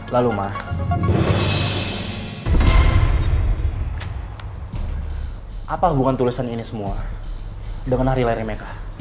lalu ma apa hubungan tulisan ini semua dengan hari layarnya mereka